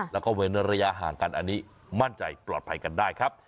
แล้วก็เว้นระยะห่างกันอันนี้มั่นใจปลอดภัยกันได้ครับ